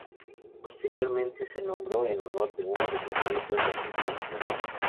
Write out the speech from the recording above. Posteriormente se nombró en honor de uno de los nietos del descubridor.